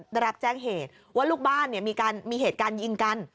ได้รับแจ้งเหตุว่าลูกบ้านมีเหตุการณ์ยิงกัน